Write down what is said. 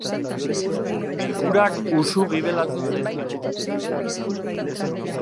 Bilkurak usu gibelatzen zaizkigu.